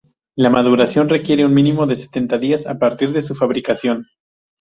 La maduración requiere un mínimo de sesenta días a partir de su fabricación.